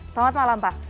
selamat malam pak